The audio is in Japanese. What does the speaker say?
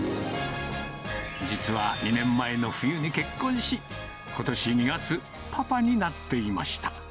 実は２年前の冬に結婚し、ことし２月、パパになっていました。